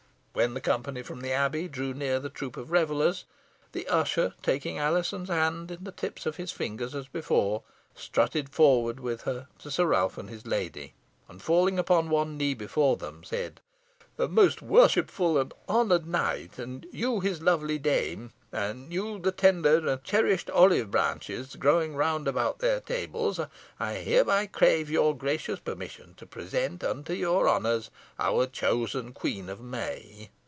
When the company from the Abbey drew near the troop of revellers, the usher taking Alizon's hand in the tips of his fingers as before, strutted forward with her to Sir Ralph and his lady, and falling upon one knee before them, said, "Most worshipful and honoured knight, and you his lovely dame, and you the tender and cherished olive branches growing round about their tables, I hereby crave your gracious permission to present unto your honours our chosen Queen of May."